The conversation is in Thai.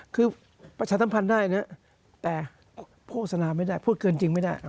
คือประชาสัมพันธ์ได้นะแต่โฆษณาไม่ได้พูดเกินจริงไม่ได้